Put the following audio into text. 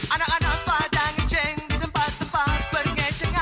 anak anak pada ngeceng di tempat tempat berngecengan